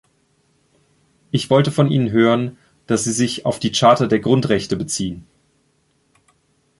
Ich wollte von Ihnen hören, dass Sie sich auf die Charta der Grundrechte beziehen.